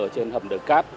trên hầm đờ cát